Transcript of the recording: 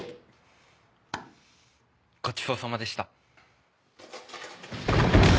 ごちそうさまでした。